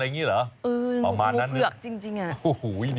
องค์ประมาณนั้น